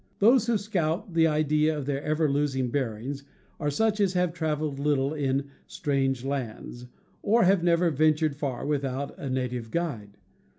Those who scout the idea of their ever losing bearings are such as have traveled little in "strange londes," or have never ventured far without a native guide.